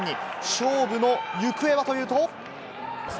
勝負の行方はというと。